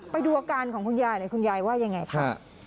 ไปดูอาการของคุณยายหน่อยคุณยายว่ายังไงค่ะ